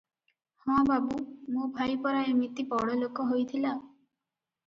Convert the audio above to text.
"ହଁ ବାବୁ! ମୋ ଭାଇ ପରା ଏମିତି ବଡ଼ଲୋକ ହୋଇଥିଲା ।